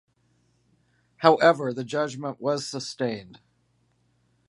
However, the judgment was sustained.